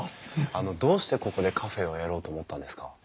あのどうしてここでカフェをやろうと思ったんですか？